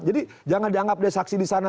jadi jangan dianggap deh saksi di sana